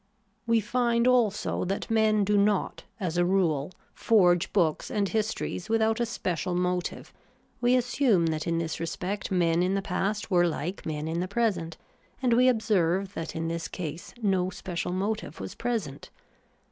We find also that men do not, as a rule, forge books and histories without a special motive ; we assume that in this respect men in the past were like men in the present ; and we observe that in this case no special motive was present.